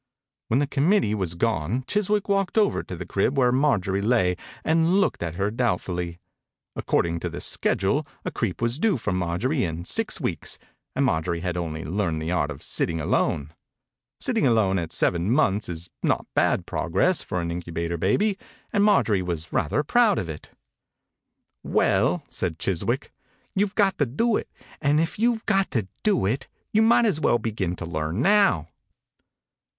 When the committee was gone Chiswick walked over to the crib where Marjorie lay and looked at her doubtfully. Ac cording to the schedule a creep was due from Marjorie in six weeks and Marjorie had only learned the art of sitting alone. Sitting alone at seven months is not bad progress for an incu bator baby and Marjorie was rather proud of it. "Well," said Chiswick, "you've got to do it, and if you've got to do it you might as well begin to learn now."